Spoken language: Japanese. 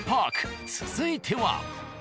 続いては。